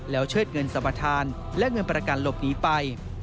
แล้วเชิดเงินสรรปทานและเงินประกันหลบหนีไป